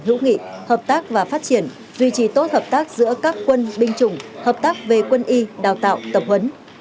hữu nghị hợp tác và phát triển duy trì tốt hợp tác giữa các quân binh chủng hợp tác về quân y đào tạo tập huấn